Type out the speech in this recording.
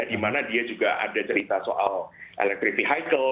di mana dia juga ada cerita soal elektrik vehicle